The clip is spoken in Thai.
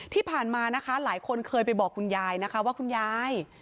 ที่ผ่านมานะคะหลายคนเคยไปบอกคุณยายนะคะว่าคุณยาย